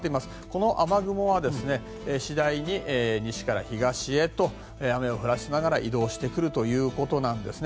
この雨雲は次第に西から東へと雨を降らせながら移動してくるということです。